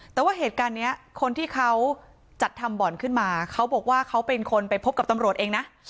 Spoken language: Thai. แต่ว่าเหตุการณ์นี้คนที่เขาจัดทำบ่อนขึ้นมาเขาบอกว่าเขาเป็นคนไปพบกับตำรวจเองนะ